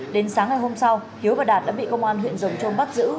đến sáng ngày hôm sau hiếu và đạt đã bị công an huyện rồng trôm bắt giữ